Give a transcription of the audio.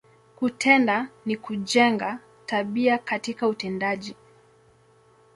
Kutenda, ni kujenga, tabia katika utendaji.